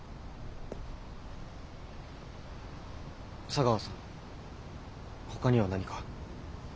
茶川さんほかには何か。